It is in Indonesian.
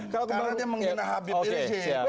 karena dia menghina abie prizik